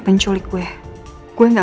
penculik gue gue nggak